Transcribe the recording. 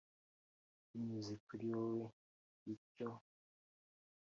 binyuze kuri wowe r Bityo